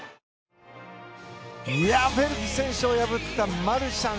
フェルプス選手を破ったマルシャン。